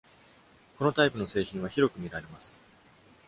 このタイプの製品は広く見られます。